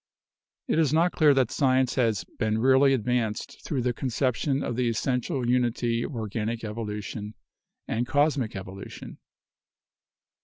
It is not clear that science has been really advanced through the conception of the essential unity of organic evolution and cosmic evolution.